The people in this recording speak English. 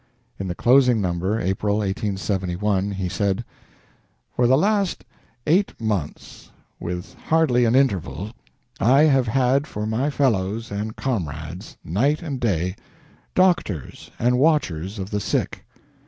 In the closing number (April, 1871) he said: "For the last eight months, with hardly an interval, I have had for my fellows and comrades, night and day, doctors and watchers of the sick!